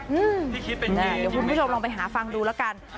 เดี๋ยวคุณผู้ชมลองไปหาฟังดูแล้วกัน